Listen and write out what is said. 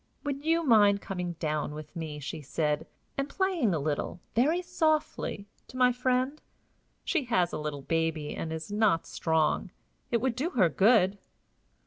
"Would you mind coming down with me," she said, "and playing a little, very softly, to my friend? She has a little baby, and is not strong. It would do her good."